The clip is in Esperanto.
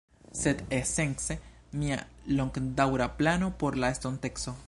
Sed esence mia longdaŭra plano por la estonteco